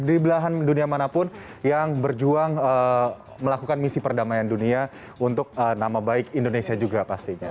di belahan dunia manapun yang berjuang melakukan misi perdamaian dunia untuk nama baik indonesia juga pastinya